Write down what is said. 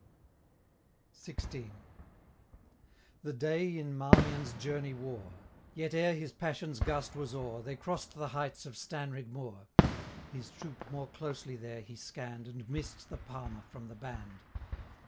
XVI. The day in Marmion's journey wore; Yet, e'er his passion's gust was o'er, They cross'd the heights of Stanrig moor. His troop more closely there he scann'd, 475 And miss'd the Palmer from the band.